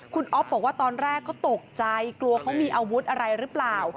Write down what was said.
คุณอ๊อฟบอกว่าตอนแรกเขาตกใจกลัวเขามีอาวุธอะไรหรือเปล่า